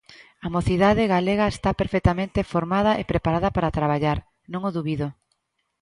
A mocidade galega está perfectamente formada e preparada para traballar, non o dubido.